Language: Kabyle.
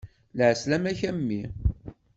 Lɛeslama-k a mmi.